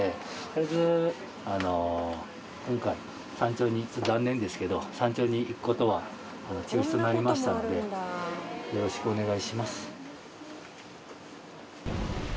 とりあえずあの今回山頂に残念ですけど山頂に行く事は中止となりましたのでよろしくお願いします。